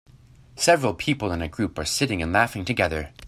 Several people in a group are sitting and laughing together.